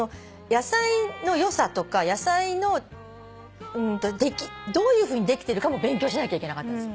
野菜の良さとか野菜のできどういうふうにできてるかも勉強しなきゃいけなかったんです。